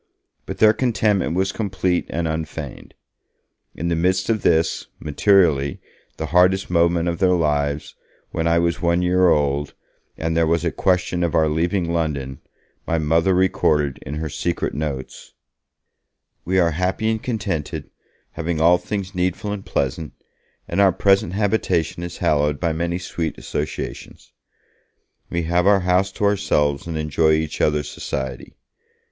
But their contentment was complete and unfeigned. In the midst of this, materially, the hardest moment of their lives, when I was one year old, and there was a question of our leaving London, my Mother recorded in her secret notes: 'We are happy and contented, having all things needful and pleasant, and our present habitation is hallowed by many sweet associations. We have our house to ourselves and enjoy each other's society.